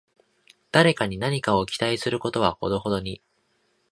誰かに何かを期待することはほどほどに